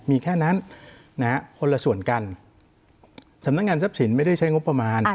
มีแค่นั้นคนละส่วนกันสำนักงานทรัพย์สินไม่ได้ใช้งบประมาณ